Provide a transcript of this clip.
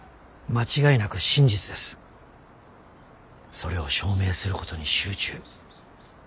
それを証明することに集中。